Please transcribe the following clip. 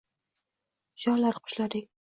ucharlar qushlaring –